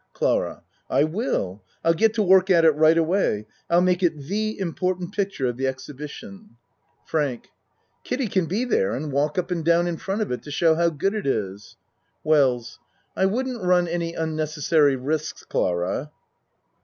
CLARA I will. I'll get to work at it right away. I'll make it the important picture of the ex hibition. ACT I 25 FRANK Kiddie can be there and walk up and down in front of it to show how good it is. WELLS I wouldn't run any unnecessary risks, Clara.